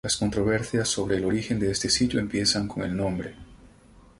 Las controversias sobre el origen de este sitio empiezan con el nombre.